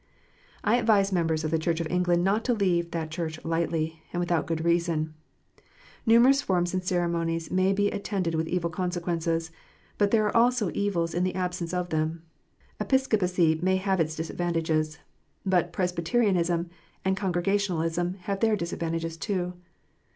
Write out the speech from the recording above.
I advise the members of the Church of England not to leave that Church lightly, and without good reason. Numerous forms and ceremonies may be attended with evil consequences, but there are also evils in the absence of them. Episcopacy may have its disadvantages, but Presbyterianism and Congrega tionalism have their disadvantages too.